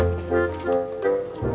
ya sudah selesai